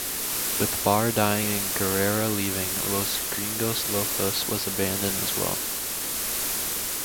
With Barr dying and Guerrero leaving, "Los Gringos Locos" was abandoned as well.